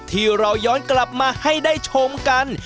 ที่เราย้อนกลับมาให้ได้ชมกัน